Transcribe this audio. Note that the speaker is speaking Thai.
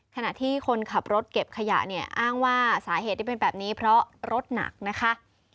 ขณะที่คนขับรถเก็บขยะเนี่ยอ้างว่าสาเหตุที่เป็นแบบนี้เพราะรถหนักนะคะ